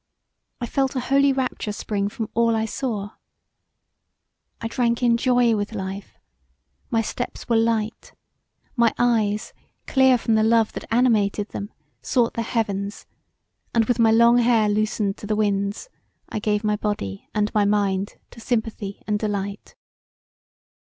I felt a holy rapture spring from all I saw. I drank in joy with life; my steps were light; my eyes, clear from the love that animated them, sought the heavens, and with my long hair loosened to the winds I gave my body and my mind to sympathy and delight.